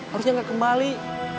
harusnya gak kembali